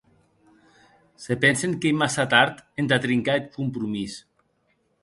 Se pensen qu’ei massa tard entà trincar eth compromís.